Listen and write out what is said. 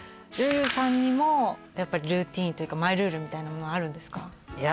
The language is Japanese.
陵侑さんにもルーティンというかマイルールみたいなものあるんですか？